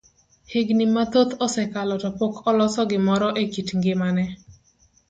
Higni mathoth osekalo to pok oloso gimoro e kit ngimane.